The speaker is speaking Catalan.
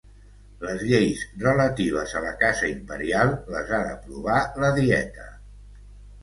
Les lleis relatives a la casa imperial les ha d'aprovar la dieta.